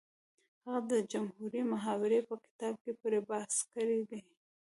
هغه د جمهوري محاورې په کتاب کې پرې بحث کړی دی